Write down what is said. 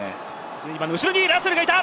１２番の後ろにラッセルがいた！